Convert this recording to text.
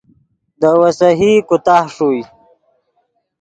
دے ویسہی کوتاہ ݰوئے